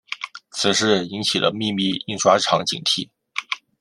此事引起了秘密印刷厂警惕。